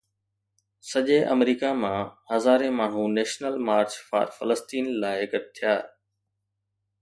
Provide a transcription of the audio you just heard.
سڄي آمريڪا مان هزارين ماڻهو نيشنل مارچ فار فلسطين لاءِ گڏ ٿيا